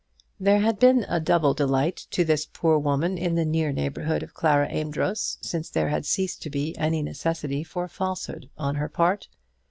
There had been a double delight to this poor woman in the near neighbourhood of Clara Amedroz since there had ceased to be any necessity for falsehood on her part.